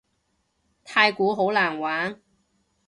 太鼓好難玩